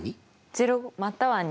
０または２。